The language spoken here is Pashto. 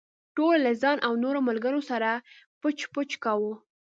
ټولو له ځان او نورو ملګرو سره پچ پچ کاوه.